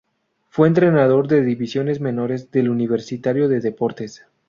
Fue entrenador de divisiones menores del Universitario de Deportes.